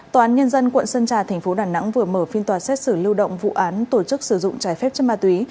tòa án nhân dân quận sân trà tp đà nẵng vừa mở phiên tòa xét xử lưu động vụ án tổ chức sử dụng trái phép chất ma túy